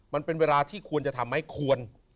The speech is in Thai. มันเป็นเวลาที่ควรจะทำไหมควร